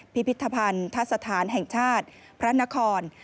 พิพิธภัณฑสถานแห่งชาติพระนคร